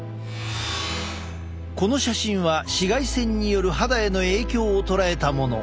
この写真は紫外線による肌への影響を捉えたもの。